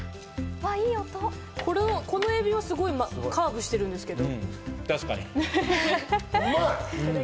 このエビはカーブしてるんですけど。